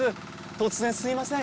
突然すみません。